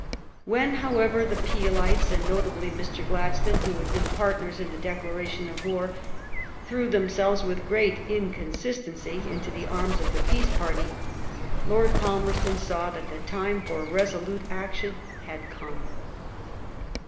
When, however, the Peelites, and notably Mr. Glad stone, who had been partners in the declaration of war, threw themselves with great inconsistency into the arms of the Peace party. Lord Falmerston saw that the time for resolute action had come.